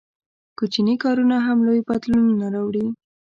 • کوچني کارونه هم لوی بدلونونه راوړي.